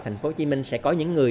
thành phố hồ chí minh sẽ có những người